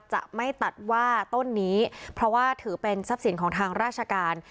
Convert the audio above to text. จะไม่ตัดว่าต้นนี้เพราะว่าถือเป็นทรัพย์สินของทางราชการ